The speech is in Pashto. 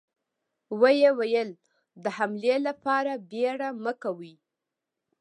ويې ويل: د حملې له پاره بيړه مه کوئ!